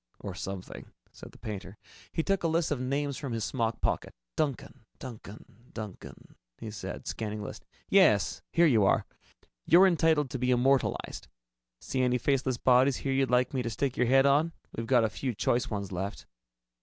"Or something," said the painter. He took a list of names from his smock pocket. "Duncan, Duncan, Duncan," he said, scanning the list. "Yes here you are. You're entitled to be immortalized. See any faceless body here you'd like me to stick your head on? We've got a few choice ones left."